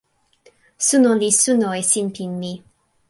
suno li suno e sinpin mi.